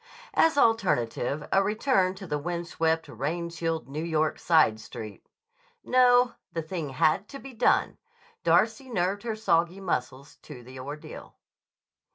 As alternative, a return to the wind swept, rain chilled New York side street. No; the thing had to be done! Darcy nerved her soggy muscles to the ordeal.